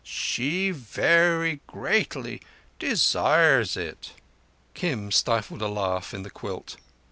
She very greatly desires it." Kim stifled a laugh in the quilt.